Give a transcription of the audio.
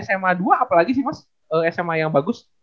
ya kalo jamannya dulu mas itu selain sma dua apalagi sih mas sma yang bagus